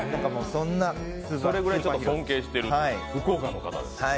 それくらい尊敬してる、福岡の方です。